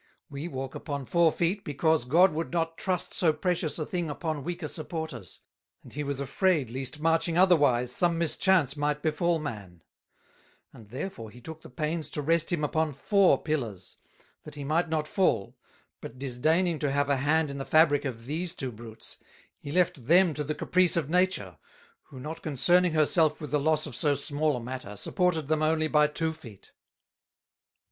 We walk upon Four Feet, because God would not trust so precious a thing upon weaker Supporters, and he was afraid least marching otherwise some Mischance might befall Man; and therefore he took the pains to rest him upon four Pillars, that he might not fall, but disdaining to have a hand in the Fabrick of these two Brutes, he left them to the Caprice of Nature, who not concerning her self with the loss of so small a matter, supported them only by Two Feet.